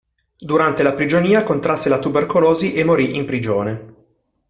Durante la prigionia contrasse la tubercolosi e morì in prigione.